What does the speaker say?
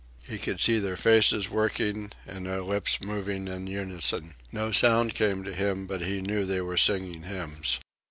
He could see their faces working and their lips moving in unison. No sound came to him, but he knew that they were singing hymns.